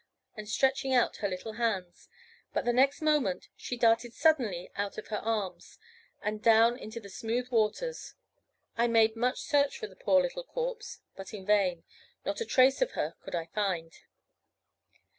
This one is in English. and stretching out her little hands; but the next moment she darted suddenly out of her arms, and down into the smooth waters. I made much search for the poor little corpse; but in vain; not a trace of her could I find.